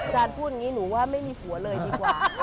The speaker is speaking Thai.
พูดอย่างนี้หนูว่าไม่มีผัวเลยดีกว่า